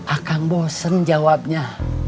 akang bosen jawabnya